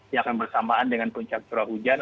yang akan bersamaan dengan puncak curah hujan